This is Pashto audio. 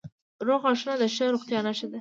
روغ غاښونه د ښه روغتیا نښه ده.